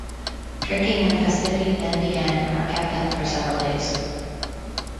Drinking and festivity then begin, and are kept up for several days.